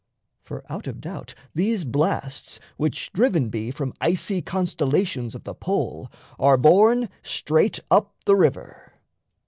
For out of doubt these blasts which driven be From icy constellations of the pole Are borne straight up the river.